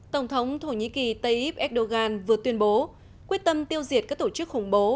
tổng thống thổ nhĩ kỳ tayyip erdogan vừa tuyên bố quyết tâm tiêu diệt các tổ chức khủng bố